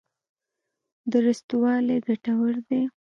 درستوالی ګټور دی.